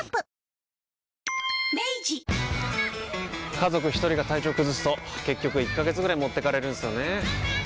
家族一人が体調崩すと結局１ヶ月ぐらい持ってかれるんすよねー。